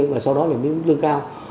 và sau đó là mức lương cao